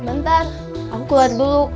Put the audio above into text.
sebentar aku keluar dulu